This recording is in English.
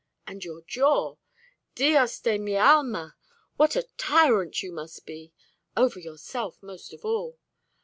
And your jaw! Dios de mi alma! What a tyrant you must be over yourself most of all!